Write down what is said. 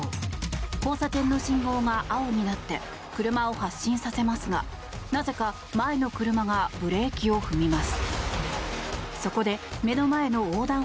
交差点の信号が青になって車を発進させますがなぜか、前の車がブレーキを踏みます。